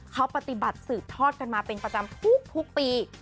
เขาปฏิบัติสืบทอดกันมาเป็นประจำทุกปี